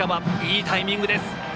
いいタイミングです。